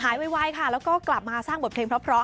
ไวค่ะแล้วก็กลับมาสร้างบทเพลงเพราะ